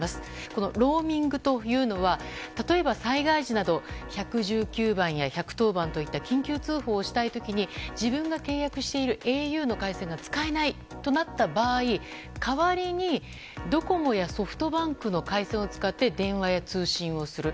このローミングというのは例えば、災害時など１１９番や１１０番といった緊急通報をしたい時に自分が契約しているａｕの回線が使えないとなった場合代わりにドコモやソフトバンクの回線を使って電話や通信をする。